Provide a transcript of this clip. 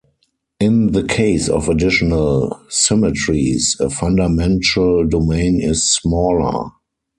In the case of additional symmetries a fundamental domain is smaller.